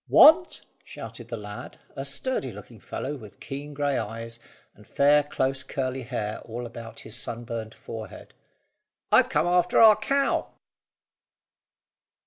"Want?" shouted the lad, a sturdy looking fellow with keen grey eyes and fair close curly hair all about his sunburned forehead. "I've come after our cow!"